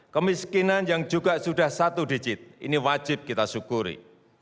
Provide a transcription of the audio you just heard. kemiskinan yang juga sudah satu digit ini wajib kita syukuri